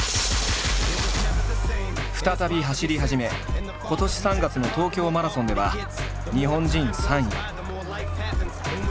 再び走り始め今年３月の東京マラソンでは日本人３位。